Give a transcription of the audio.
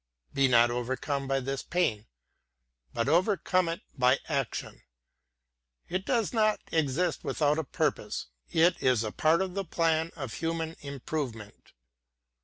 Be not . overcome by this pain, but overcome it by action: — it does not exist without a pur pose; it is a part of the plan of human improvement.